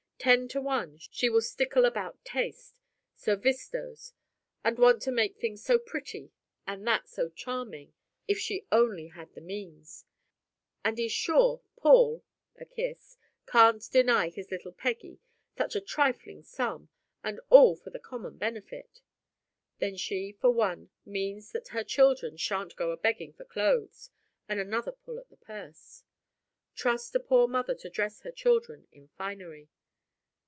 Ten to one, she will stickle about taste "Sir Visto's" and want to make this so pretty, and that so charming, if she only had the means; and is sure Paul (a kiss) can't deny his little Peggy such a trifling sum, and all for the common benefit. Then she, for one, means that her children sha'n't go a begging for clothes and another pull at the purse. Trust a poor mother to dress her children in finery!